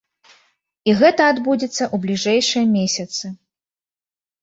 І гэта адбудзецца ў бліжэйшыя месяцы.